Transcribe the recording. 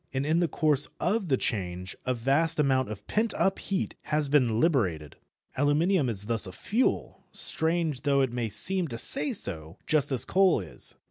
And in the course of the change a vast amount of pent up heat has been liberated. Aluminium is thus a fuel, strange though it may seem to say so, just as coal is.